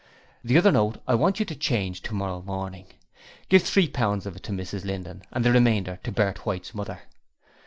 The other note I want you to change tomorrow morning. Give three pounds of it to Mrs Linden and the remainder to Bert White's mother.